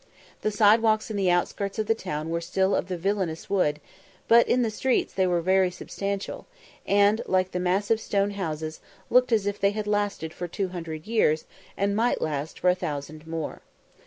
The side walks in the outskirts of the town were still of the villanous wood, but in the streets they were very substantial, and, like the massive stone houses, look as if they had lasted for two hundred years, and might last for a thousand more.